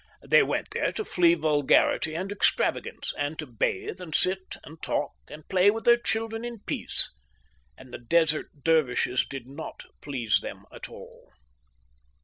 They went there to flee vulgarity and extravagances, and to bathe and sit and talk and play with their children in peace, and the Desert Dervishes did not please them at all.